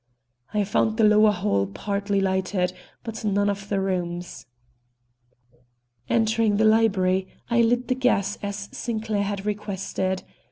I found the lower hall partly lighted, but none of the rooms. Entering the library, I lit the gas as Sinclair had requested.